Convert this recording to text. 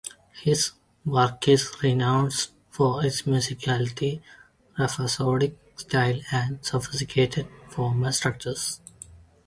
His work is renowned for its musicality, rhapsodic style and sophisticated formal structures.